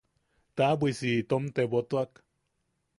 Taʼabwisi itom tebotuak.